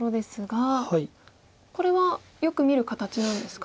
これはよく見る形なんですか？